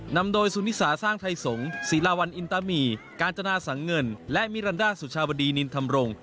นำโดยสุนิสาสร้างไทยสงศีลาวัลอินตามีกาญจนาสังเงินและมิรันดาสุชาวดีนินธรรมรงค